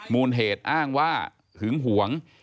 มูลเหตุอ้างว่าหึงหวง